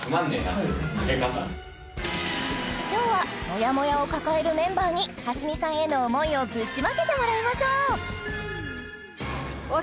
今日はもやもやを抱えるメンバーに蓮見さんへの思いをぶちまけてもらいましょううわ